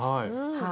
はい。